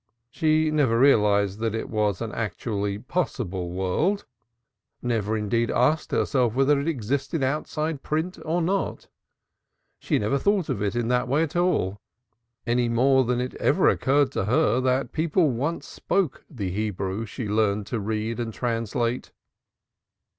She never realized that it was an actually possible world never indeed asked herself whether it existed outside print or not. She never thought of it in that way at all, any more than it ever occurred to her that people once spoke the Hebrew she learned to read and translate.